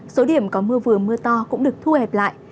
số điểm có mưa vừa mưa to cũng được thu hẹp lại